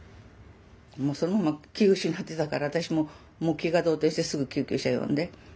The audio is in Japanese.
もうそのまま気失ってたから私も気が動転してすぐ救急車呼んで。